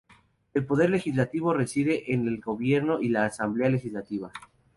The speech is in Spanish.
El Poder Legislativo reside en el gobierno y en la Asamblea Legislativa.